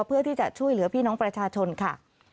เพื่อที่จะช่วยเหลือพี่น้องประชาชนค่ะ